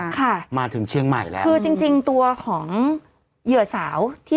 ค่ะมาถึงเชียงใหม่แล้วคือจริงจริงตัวของเหยื่อสาวที่